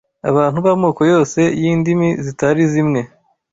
abantu b’amoko yose y’indimi zitari zimwe